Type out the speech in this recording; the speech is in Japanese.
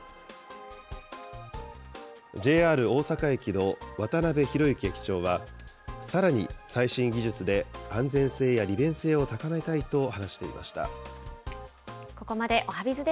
ＪＲ大阪駅の渡辺弘幸駅長は、さらに最新技術で安全性や利便性を高めたいと話していました。